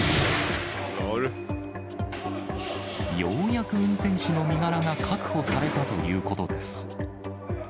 ようやく運転手の身柄が確保されたということです。